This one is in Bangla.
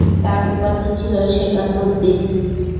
তার উপাধি ছিল সেকাতুদ্দীন।